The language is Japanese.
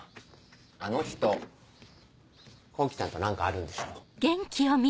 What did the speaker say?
あの人洸稀ちゃんと何かあるんでしょ？